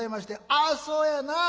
「ああそうやなあ。